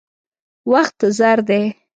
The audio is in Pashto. وخت زر دی.